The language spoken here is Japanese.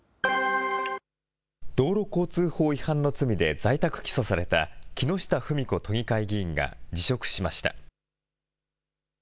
道路交通法違反の罪で在宅起訴された、木下富美子都議会議員が辞職しました。